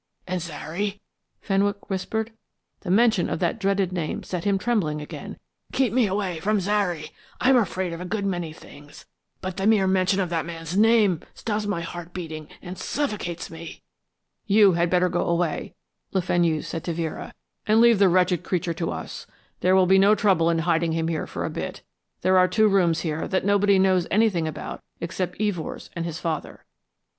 "And Zary," Fenwick whispered. The mention of that dreaded name set him trembling again. "Keep me away from Zary. I am afraid of a good many things, but the mere mention of that man's name stops my heart beating and suffocates me." "You had better go away," Le Fenu said to Vera, "and leave the wretched creature to us. There will be no trouble in hiding him here for a bit. There are two rooms here that nobody knows anything about except Evors and his father."